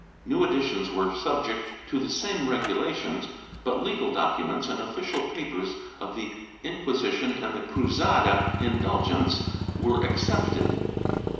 New editions were subject to the same regulations, but legal docu ments and official papers of the Inquisition and the Cruzada Indulgence were excepted.